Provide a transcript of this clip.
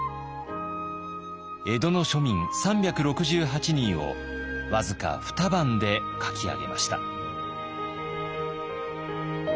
江戸の庶民３６８人を僅か二晩で描き上げました。